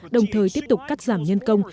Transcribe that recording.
đồng thời tiếp tục cắt giảm nhân công